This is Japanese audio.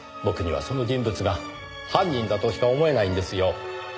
僕にはその人物が犯人だとしか思えないんですよ。